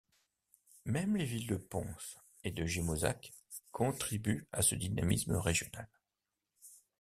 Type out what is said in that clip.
Même les villes de Pons et de Gémozac contribuent à ce dynamisme régional.